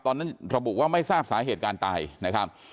ตอนนั้นระบุว่าไม่ทราบสาเหตุการณ์ตายนะครับ